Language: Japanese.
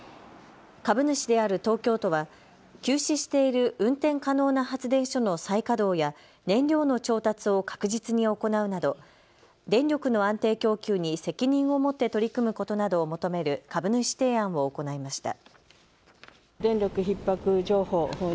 株主である東京都は休止している運転可能な発電所の再稼働や燃料の調達を確実に行うなど電力の安定供給に責任を持って取り組むことことなどを求める株主提案を行いました。